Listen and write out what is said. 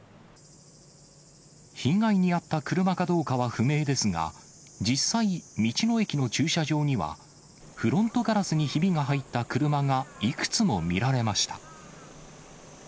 被害に遭った車かどうかは不明ですが、実際、道の駅の駐車場には、フロントガラスにひびが入った車がいくつも見られました。